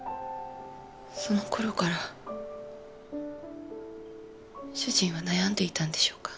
そのころから主人は悩んでいたんでしょうか？